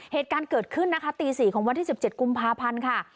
เหตุการณ์เกิดขึ้นนะคะตี๔ของวันที่๑๗กุมภาพันธ์ค่ะ